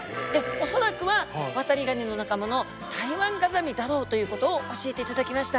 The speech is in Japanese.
恐らくはワタリガニの仲間のタイワンガザミだろうということを教えていただきました。